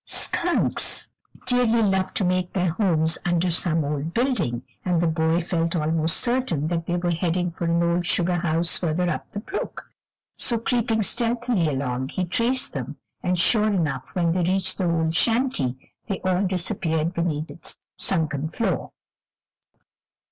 Skunks dearly love to make their homes under some old building, and the boy felt almost certain that they were heading for an old sugar house further up the brook; so creeping stealthily along he traced them, and sure enough when they reached the old shanty, they all disappeared beneath its sunken floor.